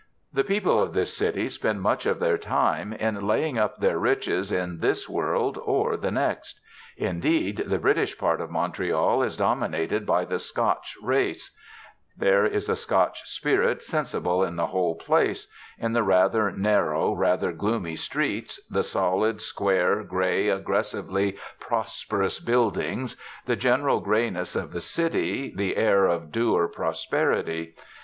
The people of this city spend much of their time in laying up their riches in this world or the next. Indeed, the British part of Montreal is dominated by the Scotch race; there is a Scotch spirit sensible in the whole place in the rather narrow, rather gloomy streets, the solid, square, grey, aggressively prosperous buildings, the general greyness of the city, the air of dour prosperity.